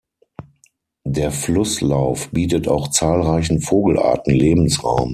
Der Flusslauf bietet auch zahlreichen Vogelarten Lebensraum.